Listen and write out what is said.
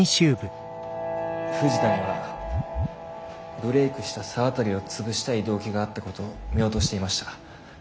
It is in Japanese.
藤田にはブレークした沢渡をつぶしたい動機があったことを見落としていました。